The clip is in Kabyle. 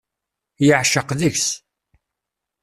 Yeεceq deg-s.